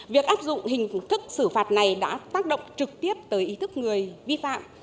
việc áp dụng hình thức xử phạt này đã tác động trực tiếp tới ý thức người vi phạm